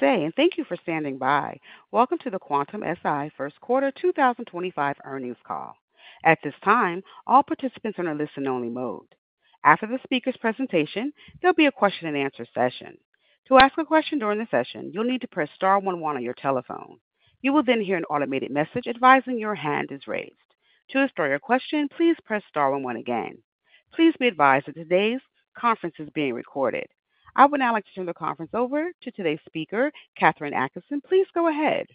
Good day, and thank you for standing by. Welcome to the Quantum-Si first quarter 2025 Earnings Call. At this time, all participants are in a listen-only mode. After the speaker's presentation, there'll be a question-and-answer session. To ask a question during the session, you'll need to press star 11 on your telephone. You will then hear an automated message advising your hand is raised. To start your question, please press star 11 again. Please be advised that today's conference is being recorded. I would now like to turn the conference over to today's speaker, Katherine Atkinson. Please go ahead.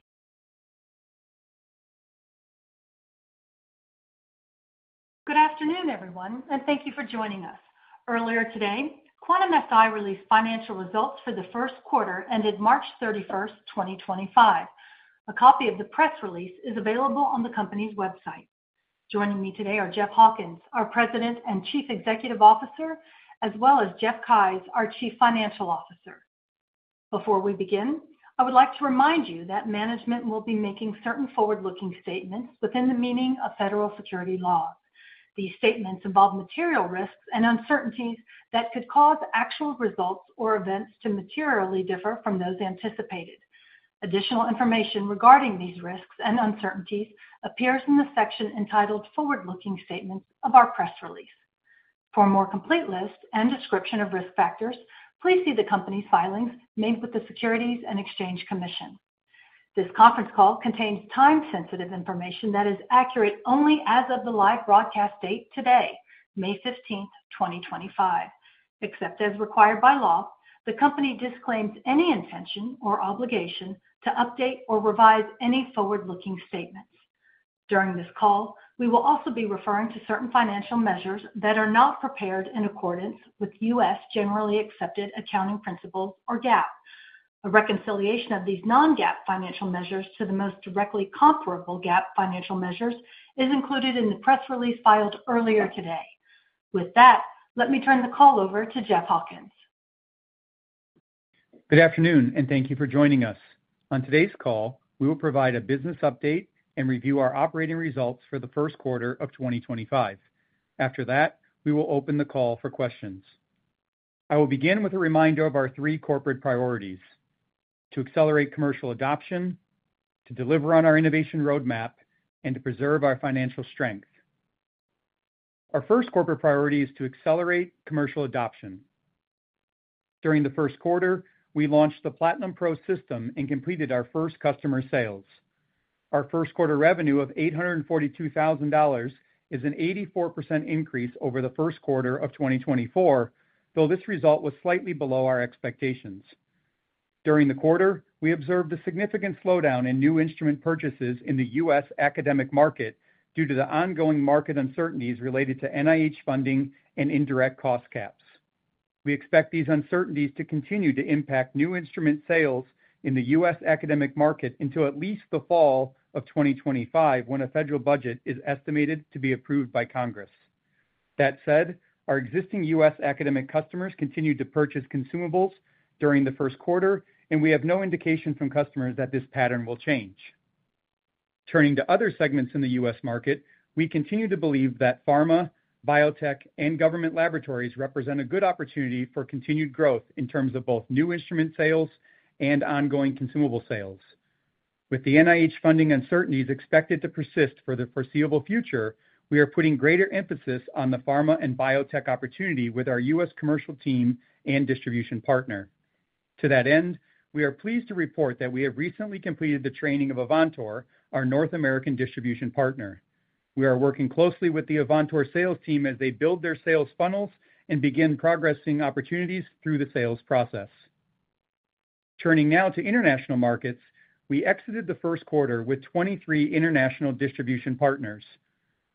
Good afternoon, everyone, and thank you for joining us. Earlier today, Quantum-Si released financial results for the first quarter ended March 31, 2025. A copy of the press release is available on the company's website. Joining me today are Jeff Hawkins, our President and Chief Executive Officer, as well as Jeff Keyes, our Chief Financial Officer. Before we begin, I would like to remind you that management will be making certain forward-looking statements within the meaning of federal security law. These statements involve material risks and uncertainties that could cause actual results or events to materially differ from those anticipated. Additional information regarding these risks and uncertainties appears in the section entitled Forward-Looking Statements of our press release. For a more complete list and description of risk factors, please see the company's filings made with the Securities and Exchange Commission. This conference call contains time-sensitive information that is accurate only as of the live broadcast date today, May 15th, 2025. Except as required by law, the company disclaims any intention or obligation to update or revise any forward-looking statements. During this call, we will also be referring to certain financial measures that are not prepared in accordance with U.S. generally accepted accounting principles or GAAP. A reconciliation of these non-GAAP financial measures to the most directly comparable GAAP financial measures is included in the press release filed earlier today. With that, let me turn the call over to Jeff Hawkins. Good afternoon, and thank you for joining us. On today's call, we will provide a business update and review our operating results for the first quarter of 2025. After that, we will open the call for questions. I will begin with a reminder of our three corporate priorities: to accelerate commercial adoption, to deliver on our innovation roadmap, and to preserve our financial strength. Our first corporate priority is to accelerate commercial adoption. During the first quarter, we launched the Platinum Pro system and completed our first customer sales. Our first quarter revenue of $842,000 is an 84% increase over the first quarter of 2024, though this result was slightly below our expectations. During the quarter, we observed a significant slowdown in new instrument purchases in the U.S. academic market due to the ongoing market uncertainties related to NIH funding and indirect cost caps. We expect these uncertainties to continue to impact new instrument sales in the U.S. academic market until at least the fall of 2025, when a federal budget is estimated to be approved by Congress. That said, our existing U.S. academic customers continued to purchase consumables during the first quarter, and we have no indication from customers that this pattern will change. Turning to other segments in the U.S. market, we continue to believe that pharma, biotech, and government laboratories represent a good opportunity for continued growth in terms of both new instrument sales and ongoing consumable sales. With the NIH funding uncertainties expected to persist for the foreseeable future, we are putting greater emphasis on the pharma and biotech opportunity with our U.S. commercial team and distribution partner. To that end, we are pleased to report that we have recently completed the training of Avantor, our North American distribution partner. We are working closely with the Avantor sales team as they build their sales funnels and begin progressing opportunities through the sales process. Turning now to international markets, we exited the first quarter with 23 international distribution partners.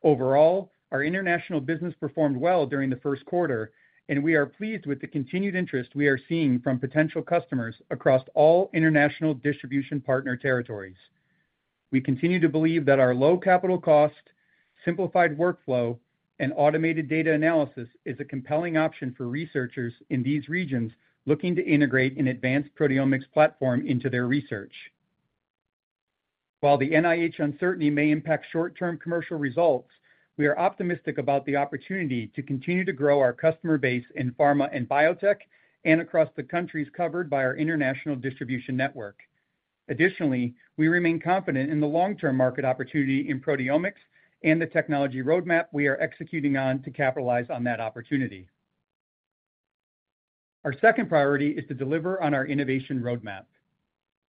Overall, our international business performed well during the first quarter, and we are pleased with the continued interest we are seeing from potential customers across all international distribution partner territories. We continue to believe that our low capital cost, simplified workflow, and automated data analysis is a compelling option for researchers in these regions looking to integrate an advanced proteomics platform into their research. While the NIH uncertainty may impact short-term commercial results, we are optimistic about the opportunity to continue to grow our customer base in pharma and biotech and across the countries covered by our international distribution network. Additionally, we remain confident in the long-term market opportunity in proteomics and the technology roadmap we are executing on to capitalize on that opportunity. Our second priority is to deliver on our innovation roadmap.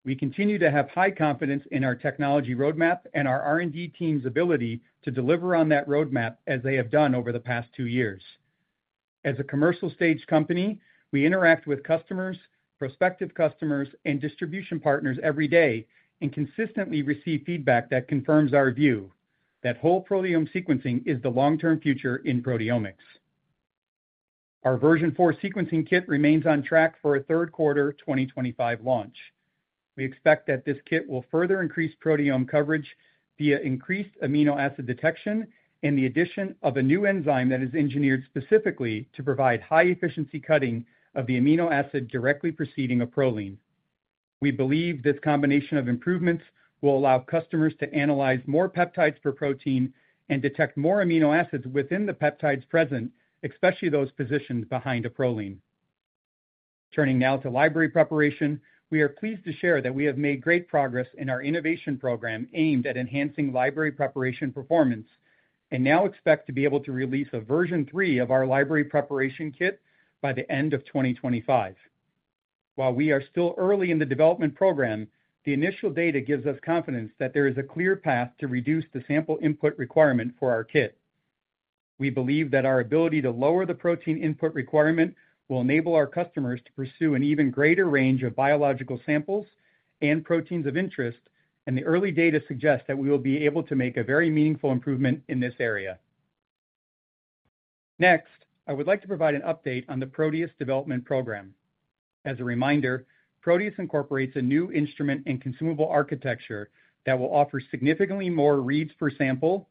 We continue to have high confidence in our technology roadmap and our R&D team's ability to deliver on that roadmap as they have done over the past two years. As a commercial-stage company, we interact with customers, prospective customers, and distribution partners every day and consistently receive feedback that confirms our view that whole proteome sequencing is the long-term future in proteomics. Our version four sequencing kit remains on track for a third quarter 2025 launch. We expect that this kit will further increase proteome coverage via increased amino acid detection and the addition of a new enzyme that is engineered specifically to provide high-efficiency cutting of the amino acid directly preceding a proline. We believe this combination of improvements will allow customers to analyze more peptides per protein and detect more amino acids within the peptides present, especially those positioned behind a proline. Turning now to library preparation, we are pleased to share that we have made great progress in our innovation program aimed at enhancing library preparation performance and now expect to be able to release a version three of our library preparation kit by the end of 2025. While we are still early in the development program, the initial data gives us confidence that there is a clear path to reduce the sample input requirement for our kit. We believe that our ability to lower the protein input requirement will enable our customers to pursue an even greater range of biological samples and proteins of interest, and the early data suggest that we will be able to make a very meaningful improvement in this area. Next, I would like to provide an update on the Proteus development program. As a reminder, Proteus incorporates a new instrument and consumable architecture that will offer significantly more reads per sample,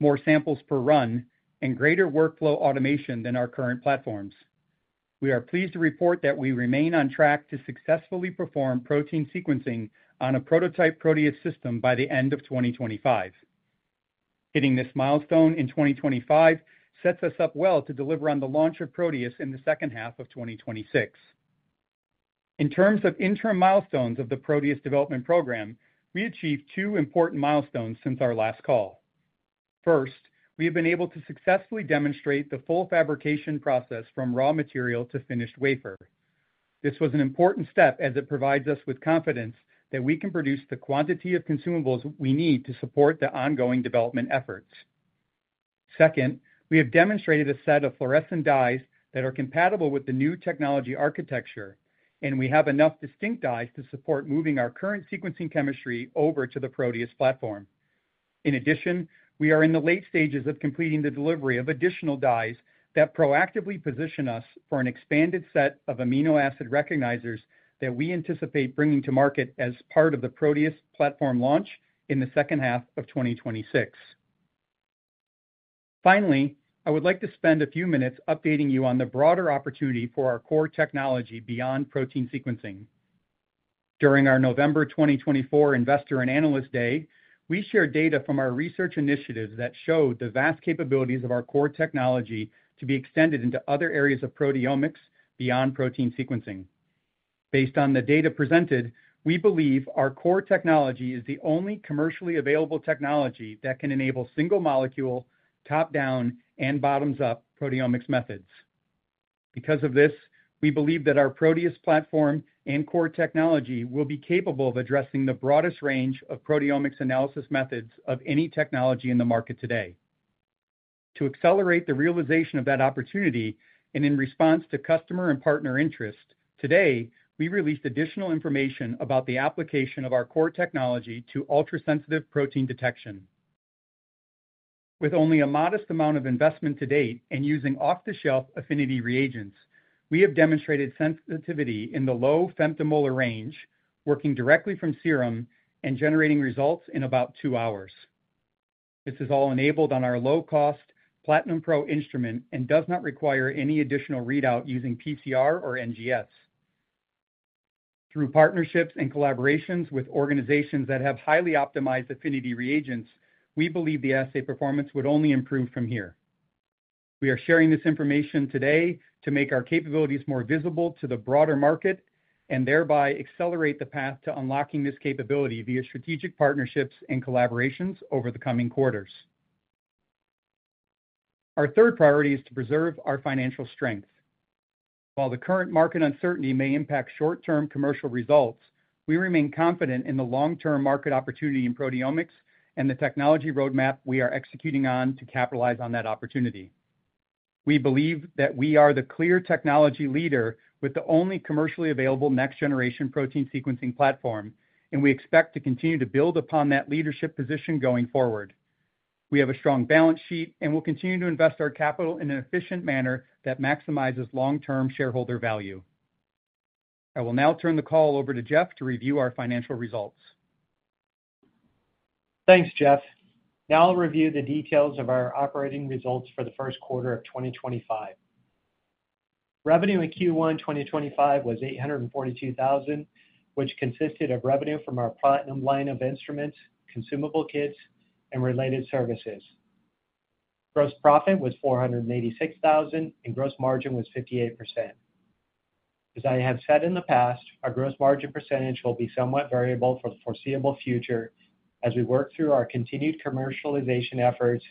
more samples per run, and greater workflow automation than our current platforms. We are pleased to report that we remain on track to successfully perform protein sequencing on a prototype Proteus system by the end of 2025. Hitting this milestone in 2025 sets us up well to deliver on the launch of Proteus in the second half of 2026. In terms of interim milestones of the Proteus development program, we achieved two important milestones since our last call. First, we have been able to successfully demonstrate the full fabrication process from raw material to finished wafer. This was an important step as it provides us with confidence that we can produce the quantity of consumables we need to support the ongoing development efforts. Second, we have demonstrated a set of fluorescent dyes that are compatible with the new technology architecture, and we have enough distinct dyes to support moving our current sequencing chemistry over to the Proteus platform. In addition, we are in the late stages of completing the delivery of additional dyes that proactively position us for an expanded set of amino acid recognizers that we anticipate bringing to market as part of the Proteus platform launch in the second half of 2026. Finally, I would like to spend a few minutes updating you on the broader opportunity for our core technology beyond protein sequencing. During our November 2024 Investor and Analyst Day, we shared data from our research initiatives that showed the vast capabilities of our core technology to be extended into other areas of proteomics beyond protein sequencing. Based on the data presented, we believe our core technology is the only commercially available technology that can enable single-molecule, top-down, and bottoms-up proteomics methods. Because of this, we believe that our Proteus platform and core technology will be capable of addressing the broadest range of proteomics analysis methods of any technology in the market today. To accelerate the realization of that opportunity and in response to customer and partner interest, today we released additional information about the application of our core technology to ultra-sensitive protein detection. With only a modest amount of investment to date and using off-the-shelf affinity reagents, we have demonstrated sensitivity in the low femtomolar range, working directly from serum and generating results in about two hours. This is all enabled on our low-cost Platinum Pro instrument and does not require any additional readout using PCR or NGS. Through partnerships and collaborations with organizations that have highly optimized affinity reagents, we believe the assay performance would only improve from here. We are sharing this information today to make our capabilities more visible to the broader market and thereby accelerate the path to unlocking this capability via strategic partnerships and collaborations over the coming quarters. Our third priority is to preserve our financial strength. While the current market uncertainty may impact short-term commercial results, we remain confident in the long-term market opportunity in proteomics and the technology roadmap we are executing on to capitalize on that opportunity. We believe that we are the clear technology leader with the only commercially available next-generation protein sequencing platform, and we expect to continue to build upon that leadership position going forward. We have a strong balance sheet and will continue to invest our capital in an efficient manner that maximizes long-term shareholder value. I will now turn the call over to Jeff to review our financial results. Thanks, Jeff. Now I'll review the details of our operating results for the first quarter of 2025. Revenue in Q1 2025 was $842,000, which consisted of revenue from our Platinum line of instruments, consumable kits, and related services. Gross profit was $486,000 and gross margin was 58%. As I have said in the past, our gross margin percentage will be somewhat variable for the foreseeable future as we work through our continued commercialization efforts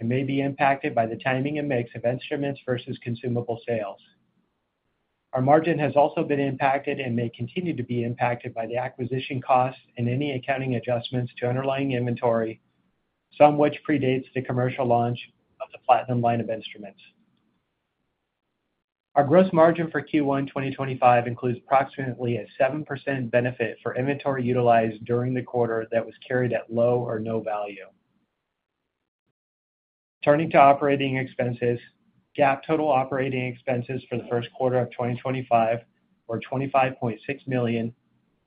and may be impacted by the timing and mix of instruments versus consumable sales. Our margin has also been impacted and may continue to be impacted by the acquisition costs and any accounting adjustments to underlying inventory, some which predates the commercial launch of the Platinum line of instruments. Our gross margin for Q1 2025 includes approximately a 7% benefit for inventory utilized during the quarter that was carried at low or no value. Turning to operating expenses, GAAP total operating expenses for the first quarter of 2025 were $25.6 million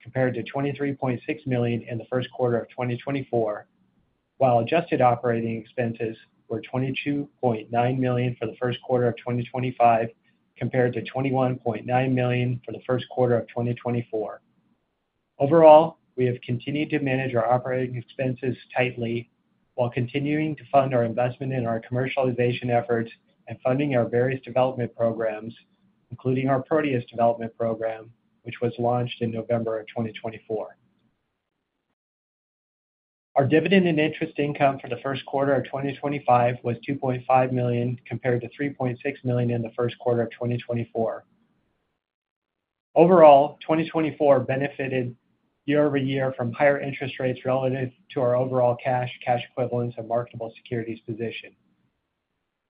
compared to $23.6 million in the first quarter of 2024, while adjusted operating expenses were $22.9 million for the first quarter of 2025 compared to $21.9 million for the first quarter of 2024. Overall, we have continued to manage our operating expenses tightly while continuing to fund our investment in our commercialization efforts and funding our various development programs, including our Proteus development program, which was launched in November of 2024. Our dividend and interest income for the first quarter of 2025 was $2.5 million compared to $3.6 million in the first quarter of 2024. Overall, 2024 benefited year over year from higher interest rates relative to our overall cash, cash equivalents, and marketable securities position.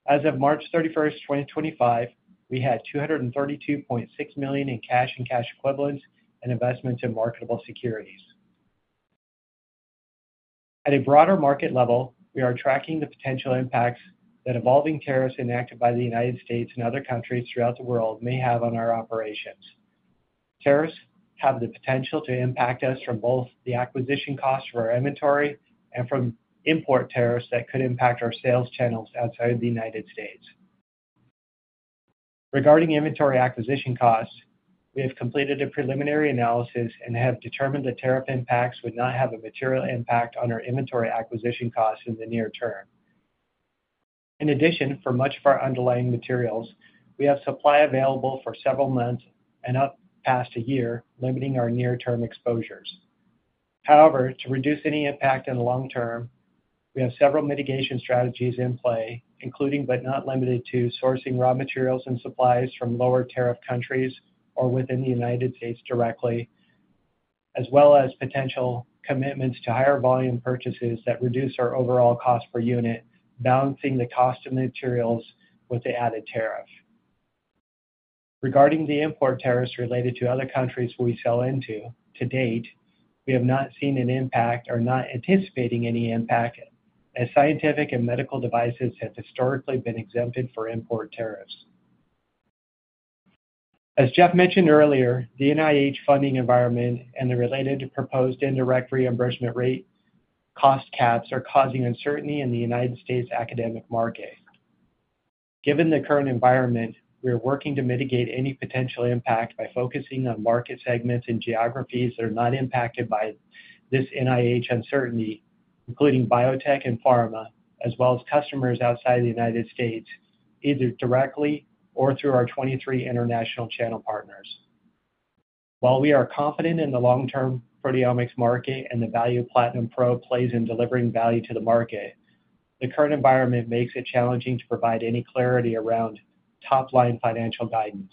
As of March 31, 2025, we had $232.6 million in cash and cash equivalents and investments in marketable securities. At a broader market level, we are tracking the potential impacts that evolving tariffs enacted by the U.S. and other countries throughout the world may have on our operations. Tariffs have the potential to impact us from both the acquisition costs for our inventory and from import tariffs that could impact our sales channels outside of the U.S. Regarding inventory acquisition costs, we have completed a preliminary analysis and have determined that tariff impacts would not have a material impact on our inventory acquisition costs in the near term. In addition, for much of our underlying materials, we have supply available for several months and up past a year, limiting our near-term exposures. However, to reduce any impact in the long term, we have several mitigation strategies in play, including but not limited to sourcing raw materials and supplies from lower tariff countries or within the United States directly, as well as potential commitments to higher volume purchases that reduce our overall cost per unit, balancing the cost of materials with the added tariff. Regarding the import tariffs related to other countries we sell into, to date, we have not seen an impact or are not anticipating any impact as scientific and medical devices have historically been exempted from import tariffs. As Jeff mentioned earlier, the NIH funding environment and the related proposed indirect reimbursement rate cost caps are causing uncertainty in the United States academic market. Given the current environment, we are working to mitigate any potential impact by focusing on market segments and geographies that are not impacted by this NIH uncertainty, including biotech and pharma, as well as customers outside of the U.S., either directly or through our 23 international channel partners. While we are confident in the long-term proteomics market and the value Platinum Pro plays in delivering value to the market, the current environment makes it challenging to provide any clarity around top-line financial guidance.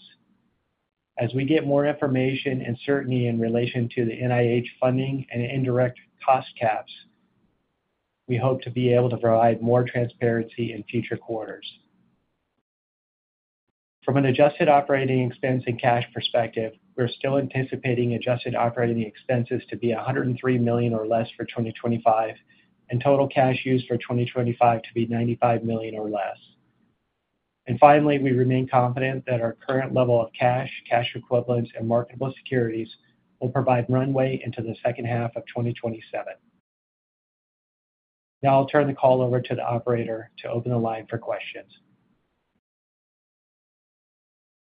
As we get more information and certainty in relation to the NIH funding and indirect cost caps, we hope to be able to provide more transparency in future quarters. From an adjusted operating expense and cash perspective, we're still anticipating adjusted operating expenses to be $103 million or less for 2025 and total cash used for 2025 to be $95 million or less. We remain confident that our current level of cash, cash equivalents, and marketable securities will provide runway into the second half of 2027. Now I'll turn the call over to the operator to open the line for questions.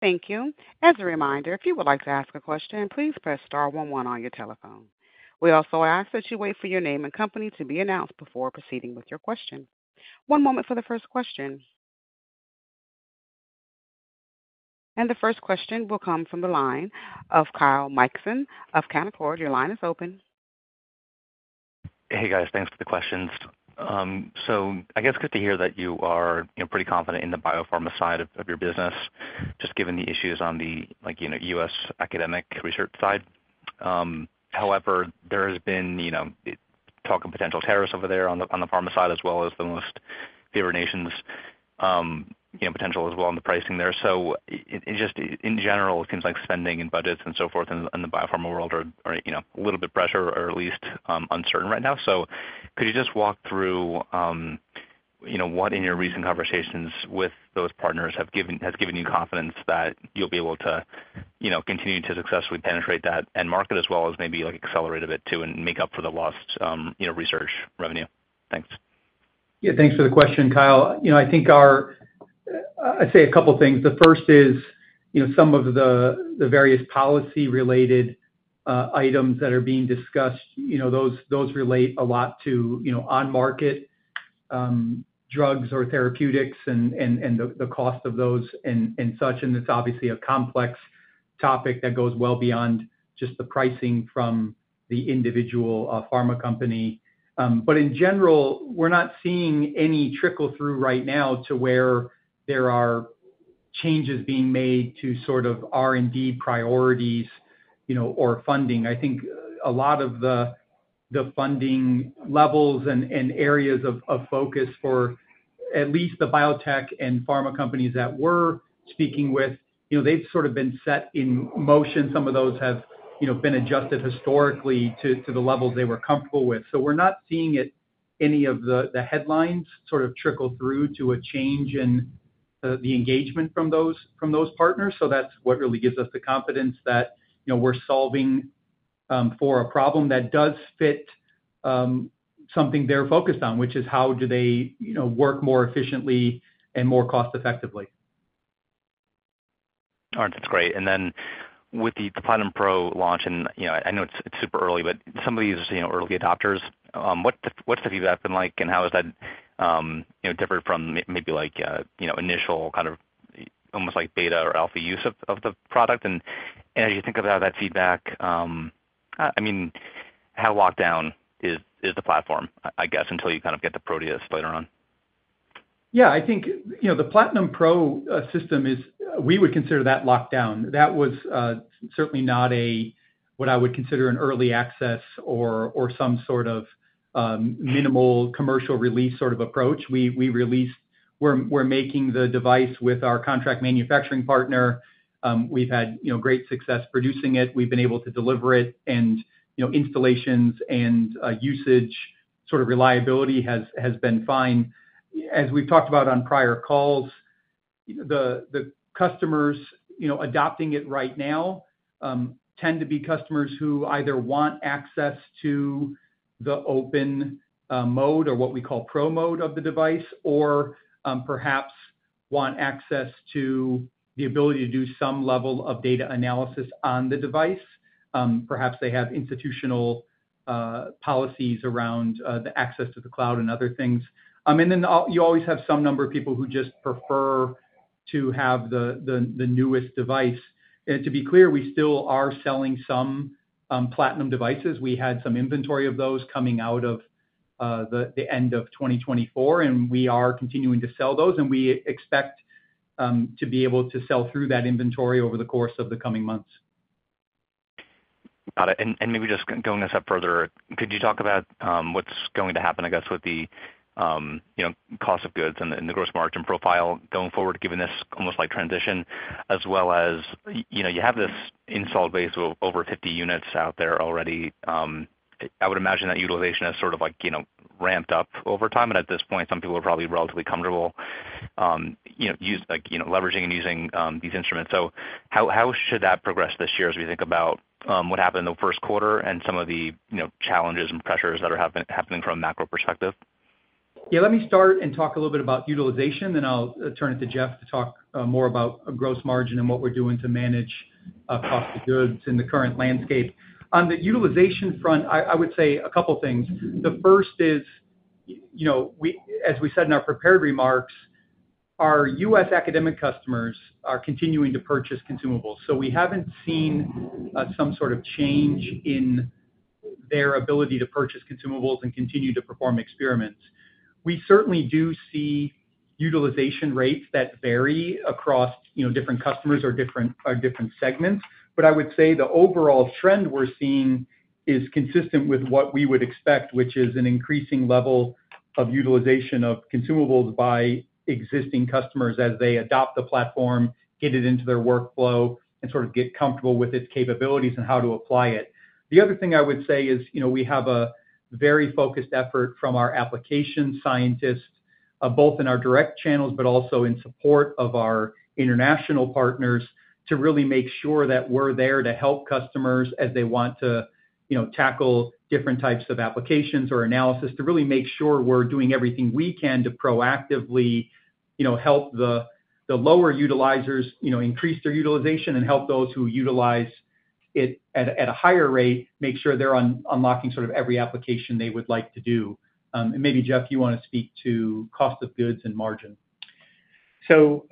Thank you. As a reminder, if you would like to ask a question, please press star 11 on your telephone. We also ask that you wait for your name and company to be announced before proceeding with your question. One moment for the first question. The first question will come from the line of Kyle Mikson of Canaccord. Your line is open. Hey, guys. Thanks for the questions. I guess good to hear that you are pretty confident in the biopharma side of your business, just given the issues on the U.S. academic research side. However, there has been talk of potential tariffs over there on the pharma side, as well as the most favored nations' potential as well in the pricing there. Just in general, it seems like spending and budgets and so forth in the biopharma world are a little bit pressure or at least uncertain right now. Could you just walk through what in your recent conversations with those partners has given you confidence that you'll be able to continue to successfully penetrate that end market, as well as maybe accelerate a bit too and make up for the lost research revenue? Thanks. Yeah, thanks for the question, Kyle. I think our—I’d say a couple of things. The first is some of the various policy-related items that are being discussed, those relate a lot to on-market drugs or therapeutics and the cost of those and such. It is obviously a complex topic that goes well beyond just the pricing from the individual pharma company. In general, we’re not seeing any trickle-through right now to where there are changes being made to sort of R&D priorities or funding. I think a lot of the funding levels and areas of focus for at least the biotech and pharma companies that we’re speaking with, they’ve sort of been set in motion. Some of those have been adjusted historically to the levels they were comfortable with. We're not seeing any of the headlines sort of trickle through to a change in the engagement from those partners. That's what really gives us the confidence that we're solving for a problem that does fit something they're focused on, which is how do they work more efficiently and more cost-effectively. All right. That's great. Then with the Platinum Pro launch—and I know it's super early, but some of these are early adopters—what's the feedback been like and how has that differed from maybe initial kind of almost like beta or alpha use of the product? As you think about that feedback, I mean, how locked down is the platform, I guess, until you kind of get the Proteus later on? Yeah. I think the Platinum Pro system is—we would consider that locked down. That was certainly not what I would consider an early access or some sort of minimal commercial release sort of approach. We release—we're making the device with our contract manufacturing partner. We've had great success producing it. We've been able to deliver it. Installations and usage sort of reliability has been fine. As we've talked about on prior calls, the customers adopting it right now tend to be customers who either want access to the open mode or what we call pro mode of the device, or perhaps want access to the ability to do some level of data analysis on the device. Perhaps they have institutional policies around the access to the cloud and other things. You always have some number of people who just prefer to have the newest device. To be clear, we still are selling some Platinum devices. We had some inventory of those coming out of the end of 2024, and we are continuing to sell those. We expect to be able to sell through that inventory over the course of the coming months. Got it. Maybe just going this up further, could you talk about what's going to happen, I guess, with the cost of goods and the gross margin profile going forward, given this almost like transition, as well as you have this installed base of over 50 units out there already. I would imagine that utilization has sort of ramped up over time. At this point, some people are probably relatively comfortable leveraging and using these instruments. How should that progress this year as we think about what happened in the first quarter and some of the challenges and pressures that are happening from a macro perspective? Yeah. Let me start and talk a little bit about utilization, then I'll turn it to Jeff to talk more about gross margin and what we're doing to manage cost of goods in the current landscape. On the utilization front, I would say a couple of things. The first is, as we said in our prepared remarks, our U.S. academic customers are continuing to purchase consumables. We haven't seen some sort of change in their ability to purchase consumables and continue to perform experiments. We certainly do see utilization rates that vary across different customers or different segments. I would say the overall trend we're seeing is consistent with what we would expect, which is an increasing level of utilization of consumables by existing customers as they adopt the platform, get it into their workflow, and sort of get comfortable with its capabilities and how to apply it. The other thing I would say is we have a very focused effort from our application scientists, both in our direct channels, but also in support of our international partners, to really make sure that we're there to help customers as they want to tackle different types of applications or analysis, to really make sure we're doing everything we can to proactively help the lower utilizers, increase their utilization, and help those who utilize it at a higher rate, make sure they're unlocking sort of every application they would like to do. Maybe, Jeff, you want to speak to cost of goods and margin. Kyle,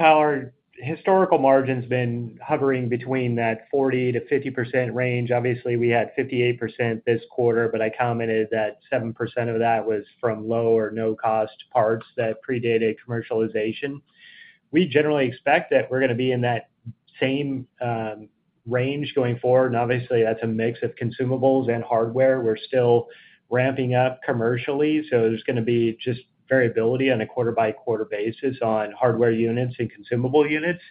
our historical margin's been hovering between that 40%-50% range. Obviously, we had 58% this quarter, but I commented that 7% of that was from low or no-cost parts that predated commercialization. We generally expect that we're going to be in that same range going forward. Obviously, that's a mix of consumables and hardware. We're still ramping up commercially. There's going to be just variability on a quarter-by-quarter basis on hardware units and consumable units.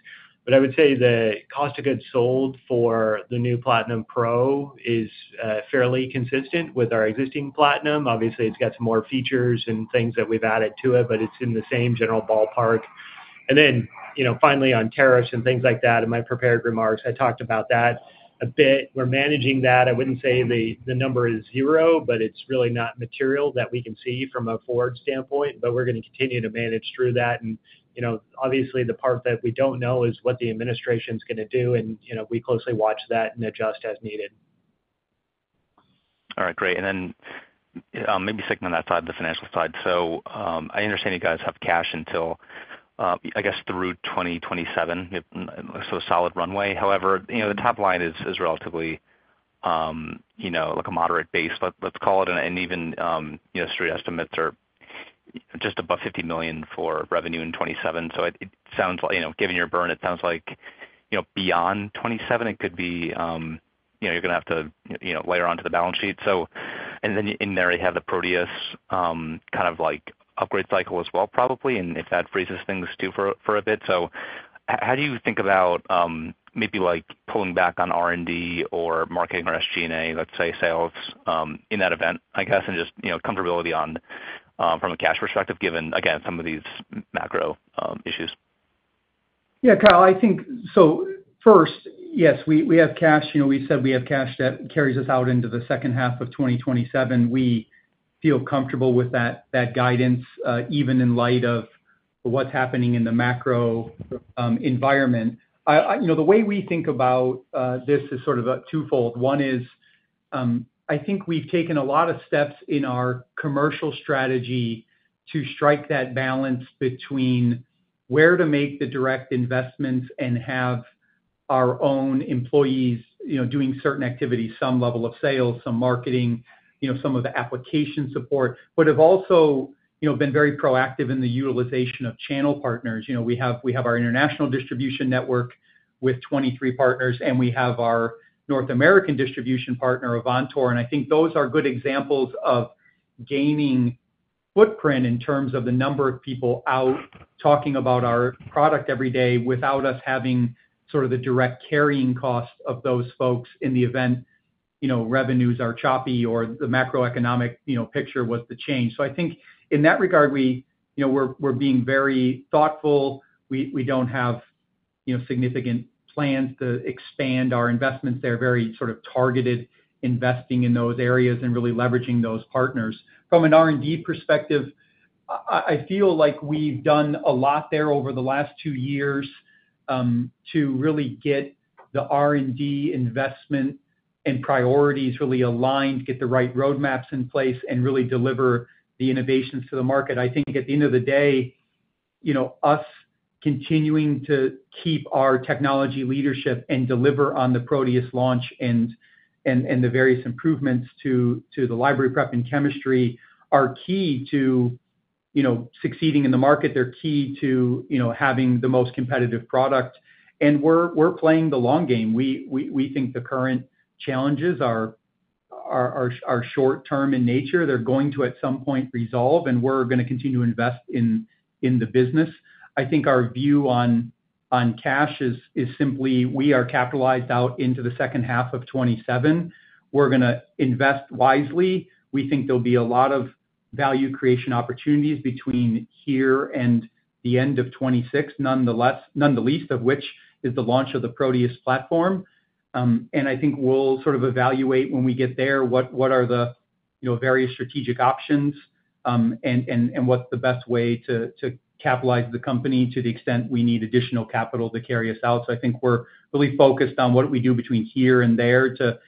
I would say the cost of goods sold for the new Platinum Pro is fairly consistent with our existing Platinum. Obviously, it's got some more features and things that we've added to it, but it's in the same general ballpark. Finally, on tariffs and things like that, in my prepared remarks, I talked about that a bit. We're managing that. I wouldn't say the number is zero, but it's really not material that we can see from a forward standpoint. We're going to continue to manage through that. Obviously, the part that we don't know is what the administration's going to do. We closely watch that and adjust as needed. All right. Great. Maybe sticking on that side, the financial side. I understand you guys have cash until, I guess, through 2027, so a solid runway. However, the top line is relatively like a moderate base, let's call it. Even straight estimates are just above $50 million for revenue in 2027. Given your burden, it sounds like beyond 2027, it could be you're going to have to layer onto the balance sheet. In there, you have the Proteus kind of upgrade cycle as well, probably, and if that freezes things too for a bit. How do you think about maybe pulling back on R&D or marketing or SG&A, let's say, sales in that event, I guess, and just comfortability from a cash perspective, given, again, some of these macro issues? Yeah, Kyle, I think so first, yes, we have cash. We said we have cash that carries us out into the second half of 2027. We feel comfortable with that guidance, even in light of what's happening in the macro environment. The way we think about this is sort of twofold. One is I think we've taken a lot of steps in our commercial strategy to strike that balance between where to make the direct investments and have our own employees doing certain activities, some level of sales, some marketing, some of the application support, but have also been very proactive in the utilization of channel partners. We have our international distribution network with 23 partners, and we have our North American distribution partner, Avantor. I think those are good examples of gaining footprint in terms of the number of people out talking about our product every day without us having sort of the direct carrying cost of those folks in the event revenues are choppy or the macroeconomic picture was to change. I think in that regard, we're being very thoughtful. We do not have significant plans to expand our investments. They are very sort of targeted, investing in those areas and really leveraging those partners. From an R&D perspective, I feel like we have done a lot there over the last two years to really get the R&D investment and priorities really aligned, get the right roadmaps in place, and really deliver the innovations to the market. I think at the end of the day, us continuing to keep our technology leadership and deliver on the Proteus launch and the various improvements to the library prep and chemistry are key to succeeding in the market. They're key to having the most competitive product. We're playing the long game. We think the current challenges are short-term in nature. They're going to, at some point, resolve, and we're going to continue to invest in the business. I think our view on cash is simply we are capitalized out into the second half of 2027. We're going to invest wisely. We think there'll be a lot of value creation opportunities between here and the end of 2026, none the least of which is the launch of the Proteus platform. I think we'll sort of evaluate when we get there what are the various strategic options and what's the best way to capitalize the company to the extent we need additional capital to carry us out. I think we're really focused on what we do between here and there to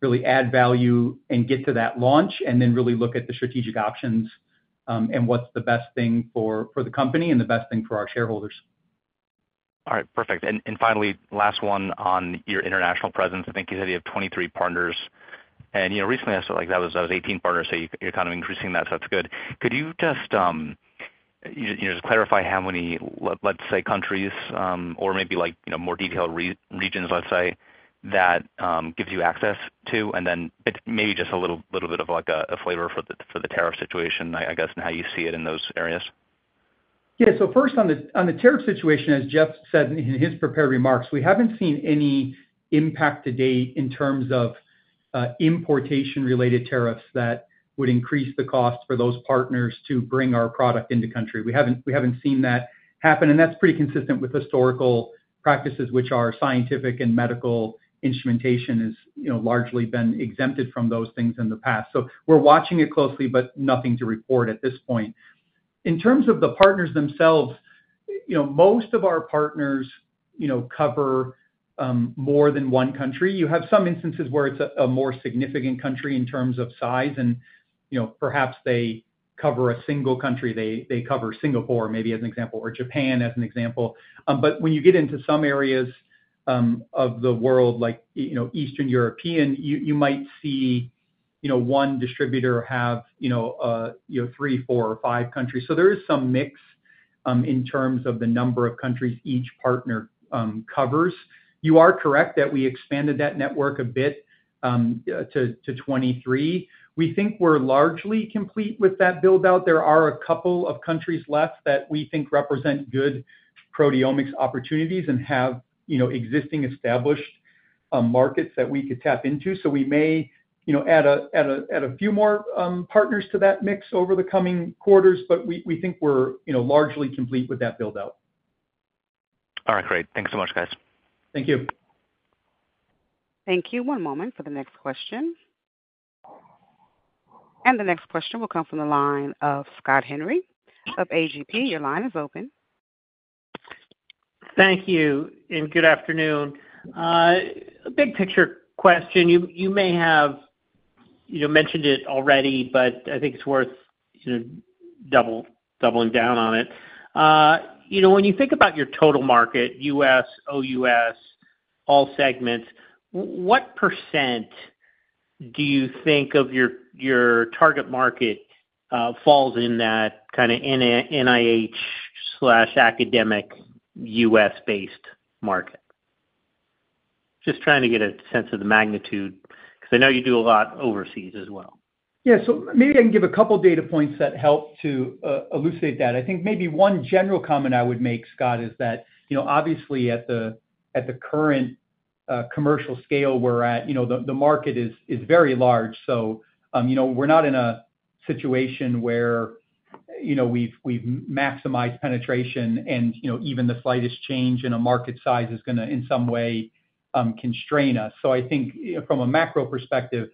really add value and get to that launch and then really look at the strategic options and what's the best thing for the company and the best thing for our shareholders. All right. Perfect. Finally, last one on your international presence. I think you said you have 23 partners. Recently, I saw that was 18 partners. You are kind of increasing that, so that's good. Could you just clarify how many, let's say, countries or maybe more detailed regions, let's say, that gives you access to? Maybe just a little bit of a flavor for the tariff situation, I guess, and how you see it in those areas. Yeah. So first, on the tariff situation, as Jeff said in his prepared remarks, we haven't seen any impact to date in terms of importation-related tariffs that would increase the cost for those partners to bring our product into country. We haven't seen that happen. That is pretty consistent with historical practices, which are scientific and medical instrumentation has largely been exempted from those things in the past. We are watching it closely, but nothing to report at this point. In terms of the partners themselves, most of our partners cover more than one country. You have some instances where it is a more significant country in terms of size, and perhaps they cover a single country. They cover Singapore, maybe as an example, or Japan as an example. When you get into some areas of the world, like Eastern Europe, you might see one distributor have three, four, or five countries. There is some mix in terms of the number of countries each partner covers. You are correct that we expanded that network a bit to 23. We think we are largely complete with that build-out. There are a couple of countries left that we think represent good proteomics opportunities and have existing established markets that we could tap into. We may add a few more partners to that mix over the coming quarters, but we think we are largely complete with that build-out. All right. Great. Thanks so much, guys. Thank you. Thank you. One moment for the next question. The next question will come from the line of Scott Henry of AGP. Your line is open. Thank you. Good afternoon. A big picture question. You may have mentioned it already, but I think it's worth doubling down on it. When you think about your total market, U.S., OUS, all segments, what % do you think of your target market falls in that kind of NIH/academic U.S.-based market? Just trying to get a sense of the magnitude because I know you do a lot overseas as well. Yeah. Maybe I can give a couple of data points that help to elucidate that. I think maybe one general comment I would make, Scott, is that obviously, at the current commercial scale we're at, the market is very large. We're not in a situation where we've maximized penetration, and even the slightest change in a market size is going to, in some way, constrain us. I think from a macro perspective,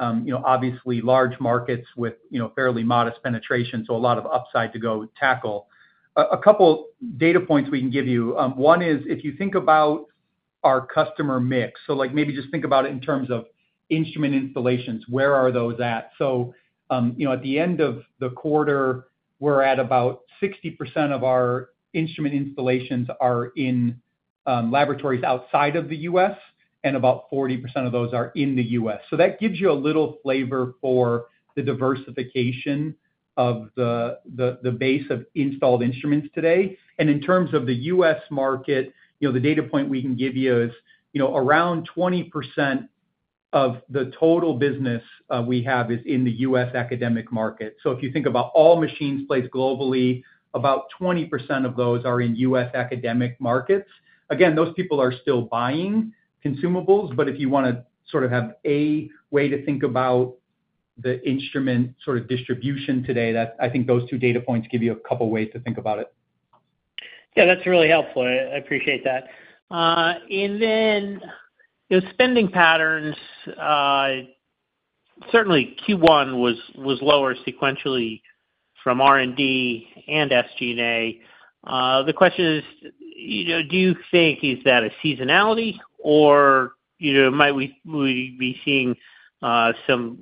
obviously, large markets with fairly modest penetration, so a lot of upside to go tackle. A couple of data points we can give you. One is if you think about our customer mix. Maybe just think about it in terms of instrument installations. Where are those at? At the end of the quarter, we're at about 60% of our instrument installations are in laboratories outside of the U.S., and about 40% of those are in the U.S. That gives you a little flavor for the diversification of the base of installed instruments today. In terms of the U.S. market, the data point we can give you is around 20% of the total business we have is in the U.S. academic market. If you think about all machines placed globally, about 20% of those are in U.S. academic markets. Again, those people are still buying consumables. If you want to sort of have a way to think about the instrument sort of distribution today, I think those two data points give you a couple of ways to think about it. Yeah, that's really helpful. I appreciate that. And then spending patterns, certainly Q1 was lower sequentially from R&D and SG&A. The question is, do you think is that a seasonality, or might we be seeing some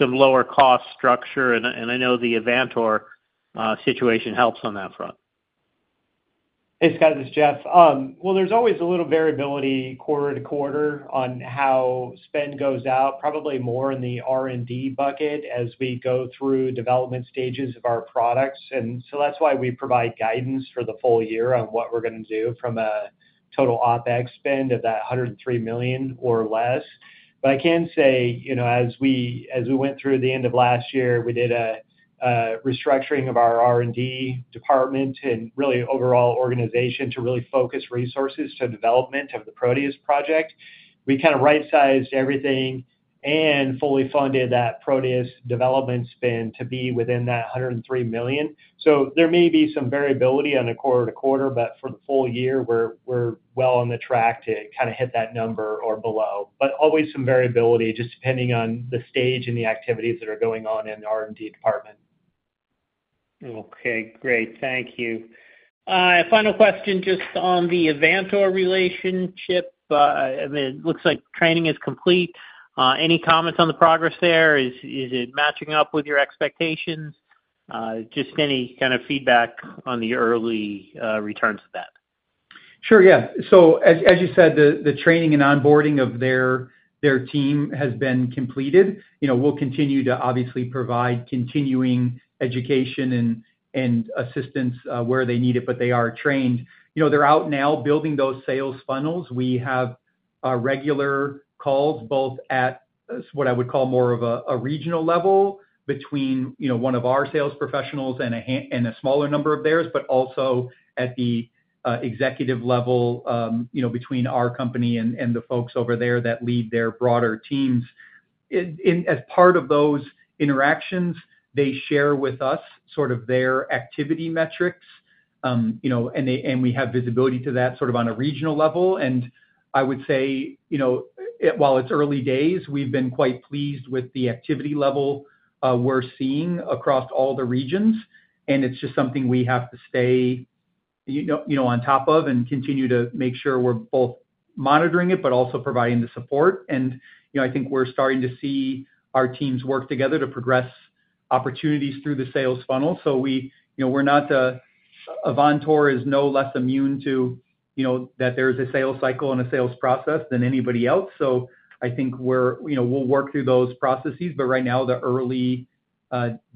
lower cost structure? And I know the Avantor situation helps on that front. Hey, Scott and Jeff. There's always a little variability quarter to quarter on how spend goes out, probably more in the R&D bucket as we go through development stages of our products. That is why we provide guidance for the full year on what we're going to do from a total OpEx spend of that $103 million or less. I can say as we went through the end of last year, we did a restructuring of our R&D department and really overall organization to really focus resources to development of the Proteus project. We kind of right-sized everything and fully funded that Proteus development spend to be within that $103 million. There may be some variability on a quarter to quarter, but for the full year, we're well on the track to kind of hit that number or below. Always some variability just depending on the stage and the activities that are going on in the R&D department. Okay. Great. Thank you. Final question just on the Avantor relationship. I mean, it looks like training is complete. Any comments on the progress there? Is it matching up with your expectations? Just any kind of feedback on the early returns of that? Sure. Yeah. As you said, the training and onboarding of their team has been completed. We'll continue to obviously provide continuing education and assistance where they need it, but they are trained. They're out now building those sales funnels. We have regular calls both at what I would call more of a regional level between one of our sales professionals and a smaller number of theirs, but also at the executive level between our company and the folks over there that lead their broader teams. As part of those interactions, they share with us sort of their activity metrics, and we have visibility to that sort of on a regional level. I would say while it's early days, we've been quite pleased with the activity level we're seeing across all the regions. It is just something we have to stay on top of and continue to make sure we are both monitoring it, but also providing the support. I think we are starting to see our teams work together to progress opportunities through the sales funnel. Avantor is no less immune to that; there is a sales cycle and a sales process than anybody else. I think we will work through those processes. Right now, the early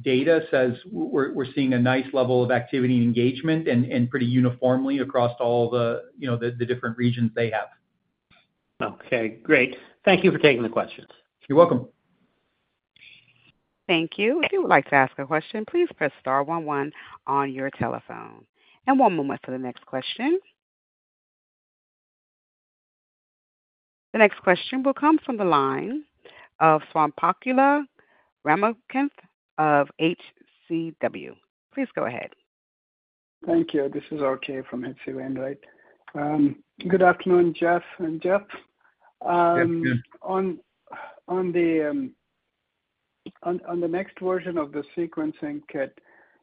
data says we are seeing a nice level of activity and engagement and pretty uniformly across all the different regions they have. Okay. Great. Thank you for taking the questions. You're welcome. Thank you. If you would like to ask a question, please press star 11 on your telephone. One moment for the next question. The next question will come from the line of Swayampakula Ramakanth of HC Wainwright. Please go ahead. Thank you. This is RK from HC Wainwright. Good afternoon, Jeff. And Jeff, on the next version of the sequencing kit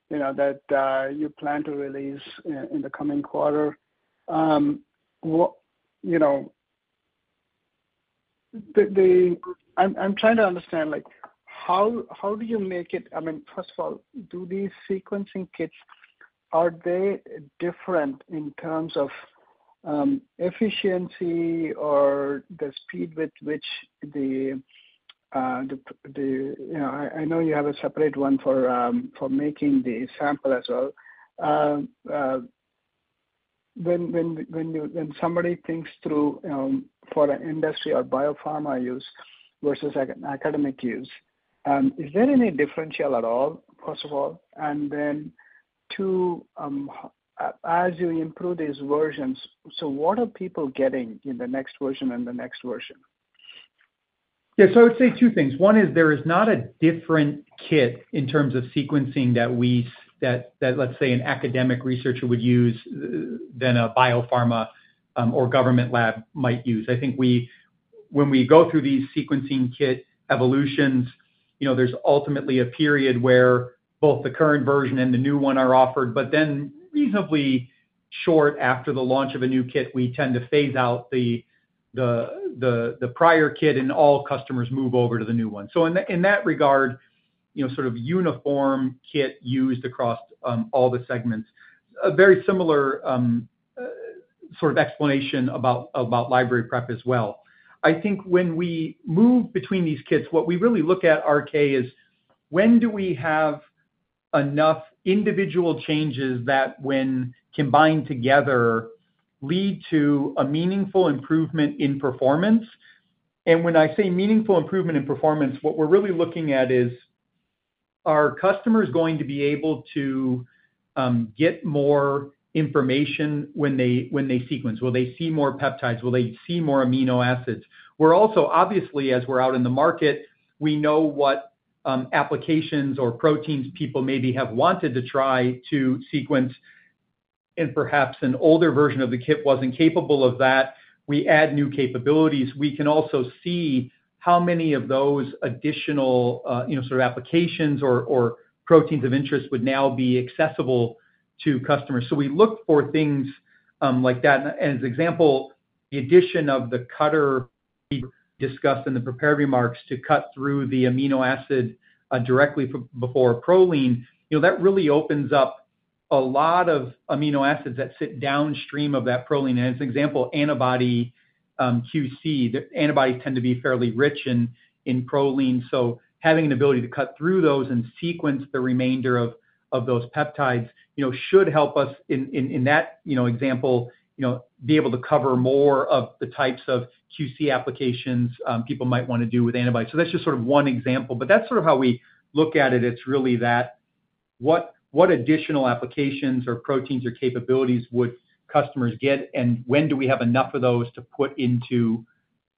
that you plan to release in the coming quarter, I'm trying to understand how do you make it? I mean, first of all, do these sequencing kits, are they different in terms of efficiency or the speed with which the—I know you have a separate one for making the sample as well. When somebody thinks through for an industry or biopharma use versus academic use, is there any differential at all, first of all? And then two, as you improve these versions, so what are people getting in the next version and the next version? Yeah. I would say two things. One is there is not a different kit in terms of sequencing that, let's say, an academic researcher would use than a biopharma or government lab might use. I think when we go through these sequencing kit evolutions, there is ultimately a period where both the current version and the new one are offered. Then reasonably short after the launch of a new kit, we tend to phase out the prior kit, and all customers move over to the new one. In that regard, sort of uniform kit used across all the segments. A very similar sort of explanation about library prep as well. I think when we move between these kits, what we really look at, RK, is when do we have enough individual changes that when combined together lead to a meaningful improvement in performance. When I say meaningful improvement in performance, what we're really looking at is are customers going to be able to get more information when they sequence? Will they see more peptides? Will they see more amino acids? We're also, obviously, as we're out in the market, we know what applications or proteins people maybe have wanted to try to sequence. Perhaps an older version of the kit wasn't capable of that. We add new capabilities. We can also see how many of those additional sort of applications or proteins of interest would now be accessible to customers. We look for things like that. As an example, the addition of the cutter we discussed in the prepared remarks to cut through the amino acid directly before proline, that really opens up a lot of amino acids that sit downstream of that proline. As an example, antibody QC, the antibodies tend to be fairly rich in proline. Having an ability to cut through those and sequence the remainder of those peptides should help us in that example be able to cover more of the types of QC applications people might want to do with antibodies. That is just sort of one example. That is sort of how we look at it. It is really that what additional applications or proteins or capabilities would customers get, and when do we have enough of those to put into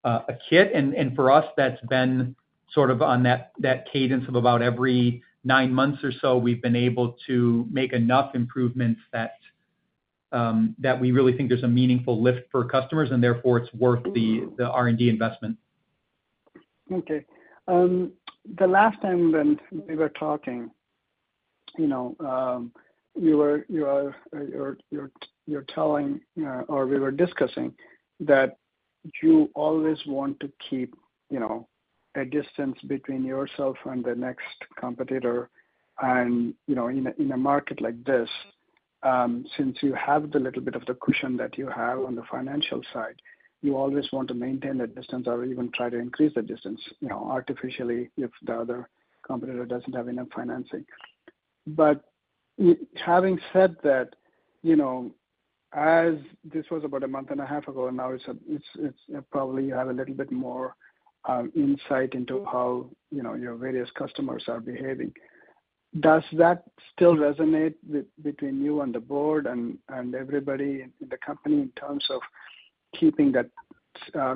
a kit? For us, that has been sort of on that cadence of about every nine months or so, we have been able to make enough improvements that we really think there is a meaningful lift for customers, and therefore, it is worth the R&D investment. Okay. The last time when we were talking, you were telling or we were discussing that you always want to keep a distance between yourself and the next competitor. In a market like this, since you have the little bit of the cushion that you have on the financial side, you always want to maintain that distance or even try to increase the distance artificially if the other competitor does not have enough financing. Having said that, as this was about a month and a half ago, and now it is probably you have a little bit more insight into how your various customers are behaving. Does that still resonate between you and the board and everybody in the company in terms of keeping that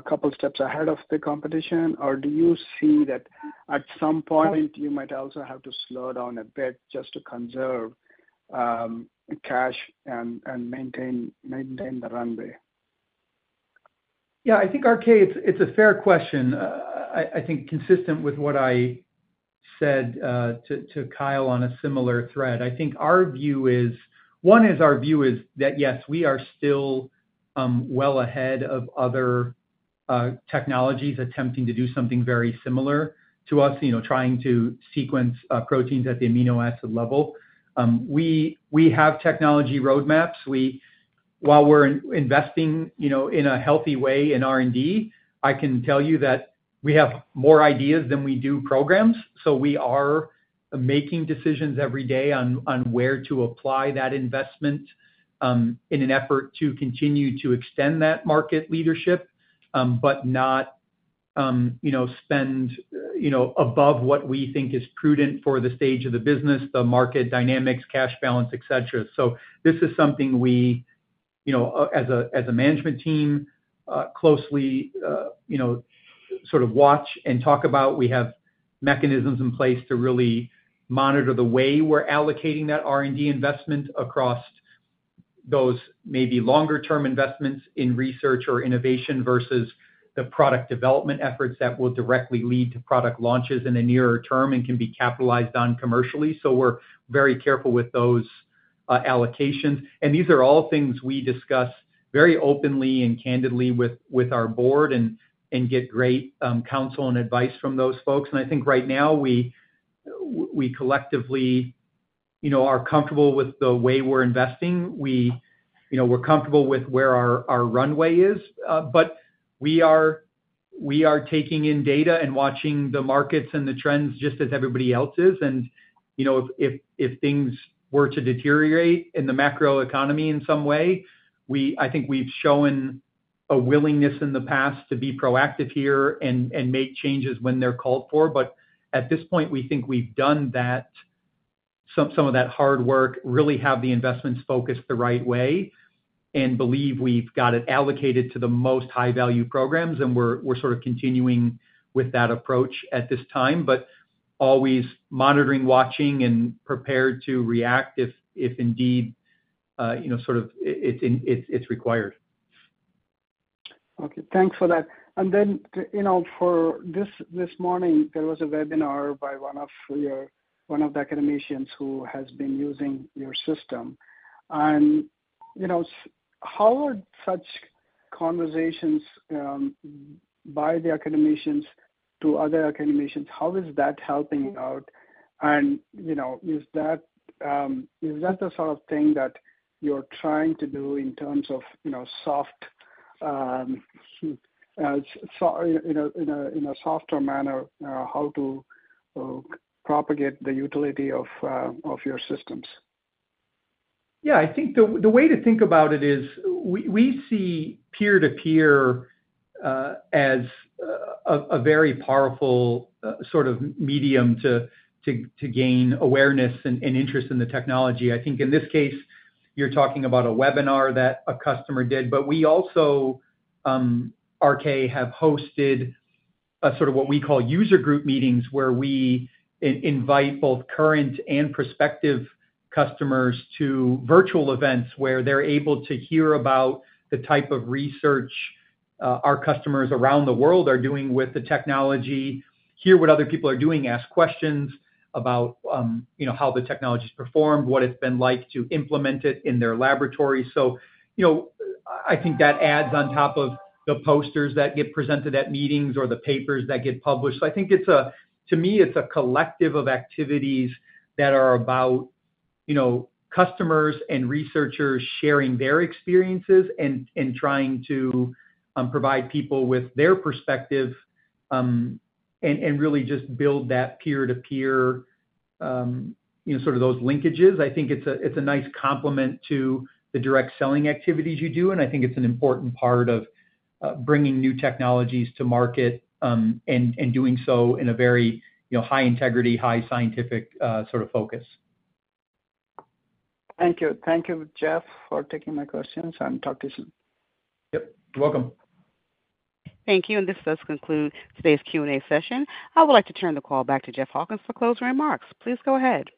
couple of steps ahead of the competition? Do you see that at some point you might also have to slow down a bit just to conserve cash and maintain the runway? Yeah. I think, RK, it's a fair question. I think consistent with what I said to Kyle on a similar thread. I think our view is one is our view is that, yes, we are still well ahead of other technologies attempting to do something very similar to us trying to sequence proteins at the amino acid level. We have technology roadmaps. While we're investing in a healthy way in R&D, I can tell you that we have more ideas than we do programs. So we are making decisions every day on where to apply that investment in an effort to continue to extend that market leadership, but not spend above what we think is prudent for the stage of the business, the market dynamics, cash balance, etc. This is something we, as a management team, closely sort of watch and talk about. We have mechanisms in place to really monitor the way we're allocating that R&D investment across those maybe longer-term investments in research or innovation versus the product development efforts that will directly lead to product launches in the nearer term and can be capitalized on commercially. We are very careful with those allocations. These are all things we discuss very openly and candidly with our board and get great counsel and advice from those folks. I think right now, we collectively are comfortable with the way we're investing. We're comfortable with where our runway is. We are taking in data and watching the markets and the trends just as everybody else is. If things were to deteriorate in the macroeconomy in some way, I think we've shown a willingness in the past to be proactive here and make changes when they're called for. At this point, we think we've done some of that hard work, really have the investments focused the right way, and believe we've got it allocated to the most high-value programs. We're sort of continuing with that approach at this time, but always monitoring, watching, and prepared to react if indeed sort of it's required. Okay. Thanks for that. For this morning, there was a webinar by one of the academicians who has been using your system. How are such conversations by the academicians to other academicians? How is that helping out? Is that the sort of thing that you're trying to do in terms of, in a softer manner, how to propagate the utility of your systems? Yeah. I think the way to think about it is we see peer-to-peer as a very powerful sort of medium to gain awareness and interest in the technology. I think in this case, you're talking about a webinar that a customer did. We also, RK, have hosted sort of what we call user group meetings where we invite both current and prospective customers to virtual events where they're able to hear about the type of research our customers around the world are doing with the technology, hear what other people are doing, ask questions about how the technology's performed, what it's been like to implement it in their laboratory. I think that adds on top of the posters that get presented at meetings or the papers that get published. I think to me, it's a collective of activities that are about customers and researchers sharing their experiences and trying to provide people with their perspective and really just build that peer-to-peer sort of those linkages. I think it's a nice complement to the direct selling activities you do. I think it's an important part of bringing new technologies to market and doing so in a very high integrity, high scientific sort of focus. Thank you. Thank you, Jeff, for taking my questions and talk to you soon. Yep. You're welcome. Thank you. This does conclude today's Q&A session. I would like to turn the call back to Jeff Hawkins for closing remarks. Please go ahead.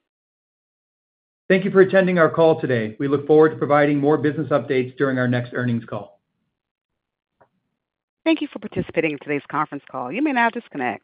Thank you for attending our call today. We look forward to providing more business updates during our next earnings call. Thank you for participating in today's conference call. You may now disconnect.